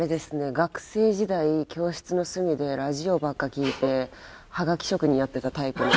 学生時代教室の隅でラジオばっか聴いてハガキ職人やってたタイプの。